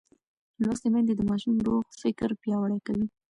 لوستې میندې د ماشوم روغ فکر پیاوړی کوي.